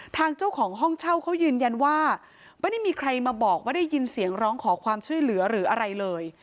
ทางเจ้าของห้องเช่าเขายืนยันว่าไม่ได้มีใครมาบอกว่าได้ยินเสียงร้องขอความช่วยเหลือหรืออะไรเลย